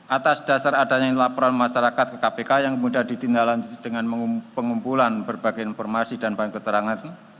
atas dasar adanya laporan masyarakat ke kpk yang mudah ditindaklanjuti dengan pengumpulan berbagai informasi dan bahan keterangan